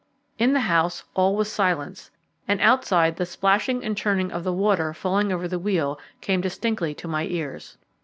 In the house all was silence, and outside the splashing and churning of the water falling over the wheel came distinctly to my ears.